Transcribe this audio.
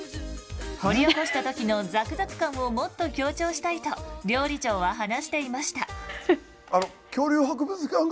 掘り起こした時のザクザク感をもっと強調したいと料理長は話していました。